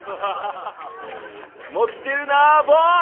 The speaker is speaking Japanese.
持ってるなぁボン！